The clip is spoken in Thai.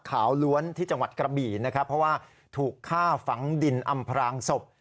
ล้วนที่จังหวัดกระบี่นะครับเพราะว่าถูกฆ่าฝังดินอำพรางศพ